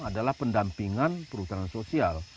adalah pendampingan perhutanan sosial